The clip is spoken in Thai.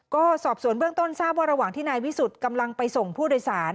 ก็สอบสวนเบื้องต้นทราบว่าระหว่างที่นายวิสุทธิ์กำลังไปส่งผู้โดยสาร